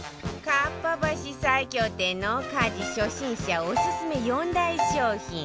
かっぱ橋最強店の家事初心者オススメ４大商品